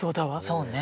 そうね。